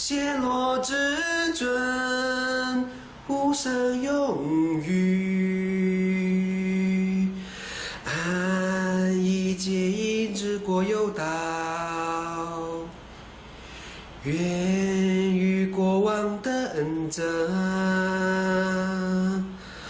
เสียหลอกจิตจนภูเซอร์โยงหยุอันยิเจยินจิตก็ยูตาวเย็นอยู่กว่าหวังเตอร์เอ็นเจ้า